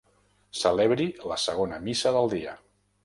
Celebri la segona missa del dia.